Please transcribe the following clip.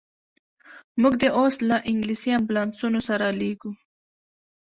موږ دي اوس له انګلیسي امبولانسونو سره لېږو.